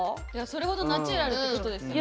それほどナチュラルってことですね。